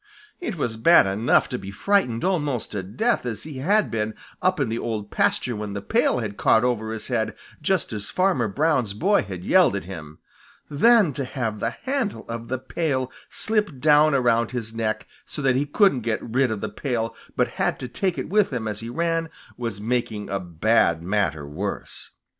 It was bad enough to be frightened almost to death as he had been up in the Old Pasture when the pail had caught over his head just as Farmer Brown's boy had yelled at him. Then to have the handle of the pail slip down around his neck so that he couldn't get rid of the pail but had to take it with him as he ran, was making a bad matter worse.